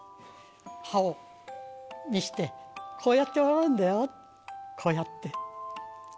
歯を見せてこうやって笑うんだよ、こうやって。